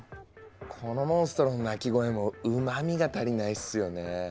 このモンストロの鳴き声もうまみが足りないっすよね。